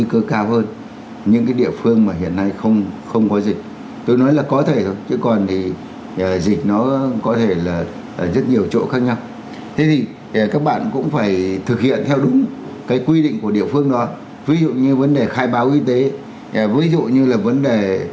chúng ta phải đeo khẩu trang cực phần lên ô tô chúng ta cũng phải thực hiện theo như là vấn đề đeo khẩu trang